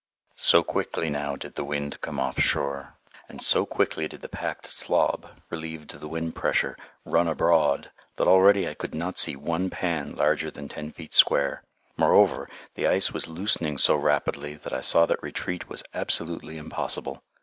So quickly did the wind now come off shore, and so quickly did the packed "slob," relieved of the wind pressure, "run abroad," that already I could not see one pan larger than ten feet square; moreover, the ice was loosening so rapidly that I saw that retreat was absolutely impossible.